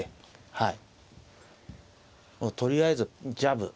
はい。